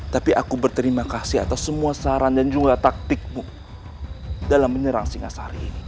tapi aku berterima kasih atas semua saran dan juga taktikmu dalam menyerang singasari ini